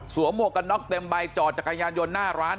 สวมโหมกกะน็อกเต็มใบเจาะจักรยานยนต์หน้าร้าน